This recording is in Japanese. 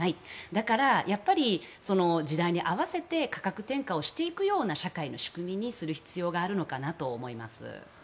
だから、時代に合わせて価格転嫁をしていくような社会の仕組みにする必要があるのかなと思います。